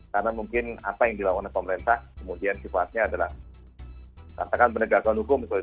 karena mungkin apa yang dilakukan pemerintah kemudian sifatnya adalah katakan penegakan hukum